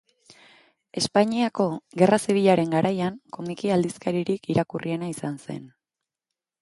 Espainiako Gerra Zibilaren garaian, komiki aldizkaririk irakurriena izan zen.